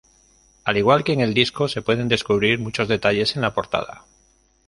Al igual que en el disco se pueden descubrir muchos detalles en la portada".